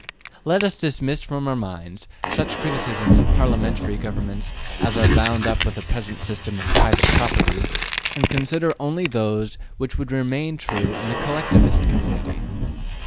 Let us dismiss from our minds such criticisms of parliamentary government as are bound up with the present system of private property, and consider only those which would remain true in a collectivist community.